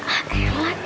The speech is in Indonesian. ah ya lah